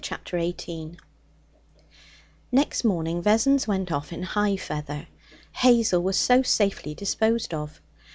Chapter 18 Next morning Vessons went off in high feather; Hazel was so safely disposed of.